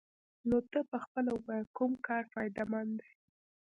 نو ته پخپله ووايه كوم كار فايده مند دې؟